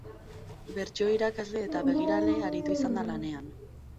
Bertso irakasle eta begirale aritu izan da lanean.